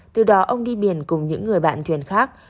từ đó ông đi biển cùng những người bạn thuyền khác